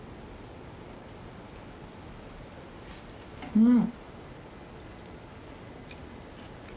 うん！